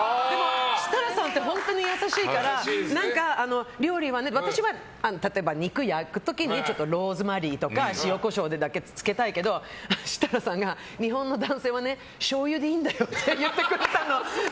設楽さんって本当に優しいから私は例えば、肉を焼く時にローズマリーとか塩、コショウだけつけたいけど設楽さんが日本の男性はしょうゆでいいんだよって言ってくれたの。